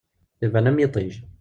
Iban am yiṭij.